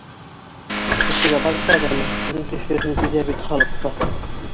Кешегә баҙ ҡаҙыма, үҙең төшөрһөң, тиҙәр бит халыҡта